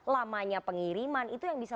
lamanya pengiriman itu yang bisa